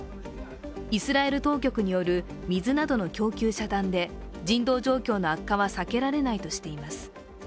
イスラエル当局による、水などの供給遮断で人道状況の悪化は、避けられないとしています。